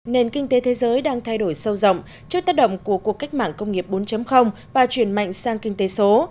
nền kinh tế thế giới đang thay đổi sâu rộng trước tác động của cuộc cách mạng công nghiệp bốn và chuyển mạnh sang kinh tế số